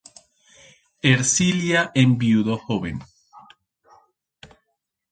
Ercilia enviudó joven.